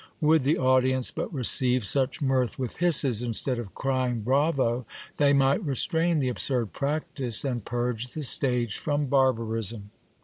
Would the audience but receive such mirth with hisses, instead of crying bravo, they might restrain the absurd practice, and purge the stage from barbarism.